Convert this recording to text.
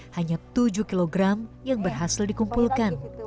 hanya tujuh kg yang berhasil dikumpulkan